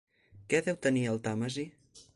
¿Què deu tenir el Tàmesi?